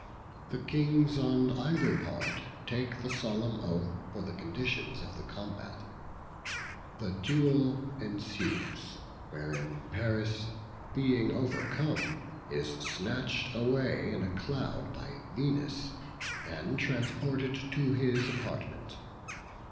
The kings on either part take the solemn oath for the conditions of the combat. The duel ensues, wherein Paris being overcome, is snatched away in a cloud by Venus, and transported to his apartment.